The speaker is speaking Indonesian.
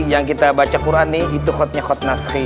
yang kita baca quran nih itu khotnya khot nasri